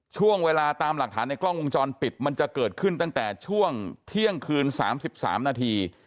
ช่วงเวลาตามหลักฐานในกล้องวงจรปิดมันจะเกิดขึ้นตั้งแต่ช่วงเที่ยงคืน๓๓นาที